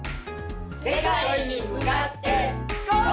世界に向かってゴー！